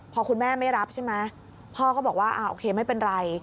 พอคุณแม่ไม่รับใช่ไหมพ่อก็บอกว่าอ่าโอเคไม่เป็นไร